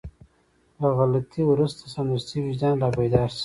له غلطي وروسته سمدستي وجدان رابيدار شي.